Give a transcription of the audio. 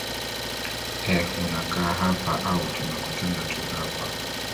e unakaa hapa au tumekutana tu hapa